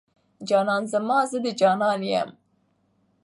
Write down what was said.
جانان زما، زه د جانان يم